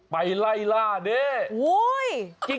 ไปไล่ล่านี่